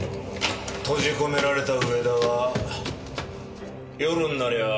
閉じ込められた上田は夜になりゃあ